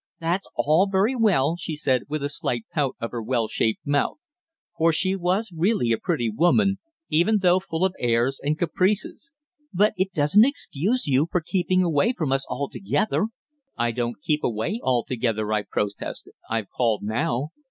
"That's all very well," she said, with a slight pout of her well shaped mouth for she was really a pretty woman, even though full of airs and caprices. "But it doesn't excuse you for keeping away from us altogether." "I don't keep away altogether," I protested. "I've called now."